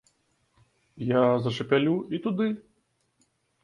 Я за чапялу, і туды.